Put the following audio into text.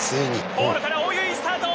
ポールから大湯いいスタート。